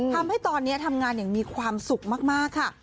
ทำให้ตอนนี้ทำงานอย่างมีความสุขมากค่ะ